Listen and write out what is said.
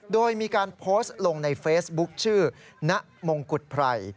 โดยมีการโพสต์ลงในเฟซบุ๊คชื่อณมงกุฎไพร